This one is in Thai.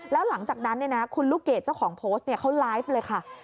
แล้วหลังจากนั้นคุณลูกเกดเจ้าของโพสต์เขาไลฟ์เลยค่ะ